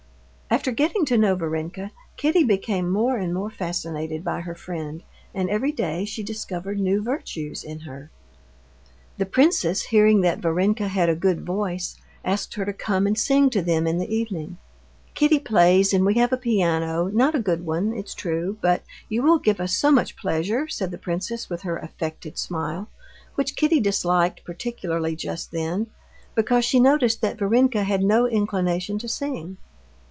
After getting to know Varenka, Kitty became more and more fascinated by her friend, and every day she discovered new virtues in her. The princess, hearing that Varenka had a good voice, asked her to come and sing to them in the evening. "Kitty plays, and we have a piano; not a good one, it's true, but you will give us so much pleasure," said the princess with her affected smile, which Kitty disliked particularly just then, because she noticed that Varenka had no inclination to sing.